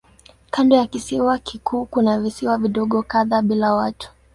Kando ya kisiwa kikuu kuna visiwa vidogo kadhaa bila watu.